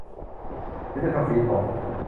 หรือจะทำสีผม